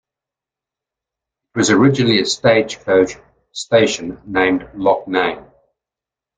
It was originally a stagecoach station named Locknane.